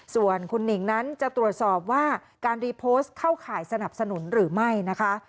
ส่วนคุณหนิงนั้นจะตรวจสอบว่าการรีโพสต์เข้าข่ายสนับสนุนหรือไม่นะคะ